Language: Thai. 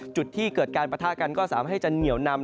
จุดที่เกิดการปะทะกันก็สามารถให้จะเหนียวนำ